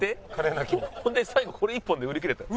ほんで最後これ１本で売り切れたよ。